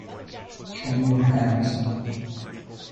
Show me your hands!